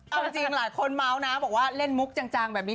เอาจริงหลายคนเมาส์นะบอกว่าเล่นมุกจังแบบนี้